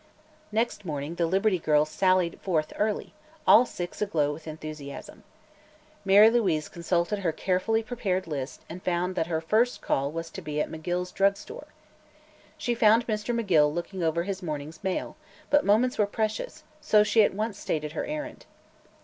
Next morning the Liberty Girls sallied forth early, all six aglow with enthusiasm. Mary Louise consulted her carefully prepared list and found that her first calf was to be at McGill's drug store. She found Mr. McGill looking over his morning's mail, but moments were precious, so she at once stated her errand.